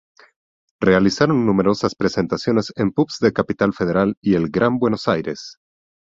Realizaron numerosas presentaciones en pubs de Capital Federal y el Gran Buenos Aires.